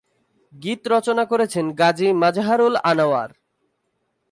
গীত রচনা করেছেন গাজী মাজহারুল আনোয়ার।